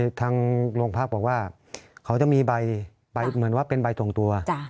ทางโรงพักบอกว่าเขาจะมีใบเหมือนว่าเป็นใบส่งตัว